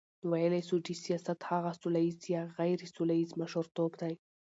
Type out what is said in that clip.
نو ویلای سو چی سیاست هغه سوله ییز یا غیري سوله ییز مشرتوب دی،